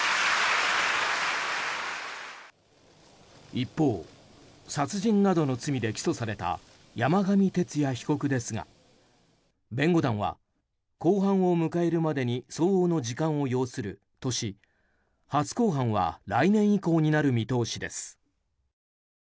一方殺人などの罪で起訴された山上徹也被告ですが弁護団は、公判を迎えるまでに相応の時間を要するとし初公判は来年以降になる見通しです。